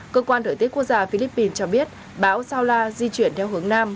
cơ quan thời tiết quốc gia philippines cho biết bão saula di chuyển theo hướng nam